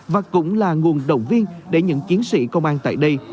và cũng là nguồn động viên để những chiến sĩ công an tại đây